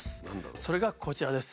それがこちらです。